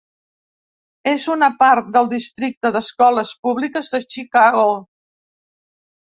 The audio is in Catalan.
És una part del districte d'escoles públiques de Chicago.